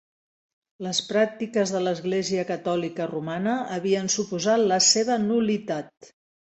Les pràctiques de l'Església catòlica romana havien suposat la seva nul·litat.